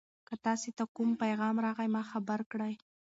که تاسي ته کوم پیغام راغی ما خبر کړئ.